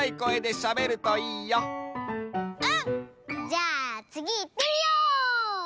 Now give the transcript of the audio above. じゃあつぎいってみよう！